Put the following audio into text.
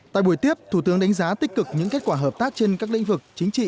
tại buổi tiếp thủ tướng đánh giá tích cực những kết quả hợp tác trên các lĩnh vực chính trị